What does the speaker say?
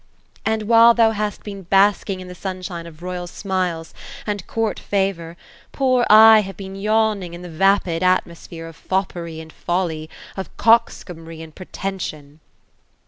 .^ And while thou hast been basking in the sunshine of royal smiles, and court favor, poor I have been yawning in the vapid atmosphere of foppery and folly, of coxcombry and pretension."